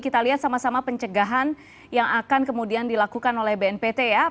kita lihat sama sama pencegahan yang akan kemudian dilakukan oleh bnpt ya